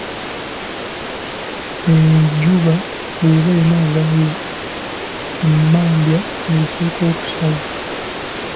Enjuba bw'eba enaavaayo emmambya y'esooka okusala.